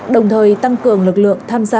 đồng thời tăng cường lực lượng tham gia